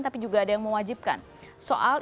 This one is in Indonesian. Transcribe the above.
tapi juga ada yang mewajibkan soal